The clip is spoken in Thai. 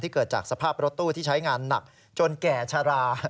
เกิดจากสภาพรถตู้ที่ใช้งานหนักจนแก่ชะลา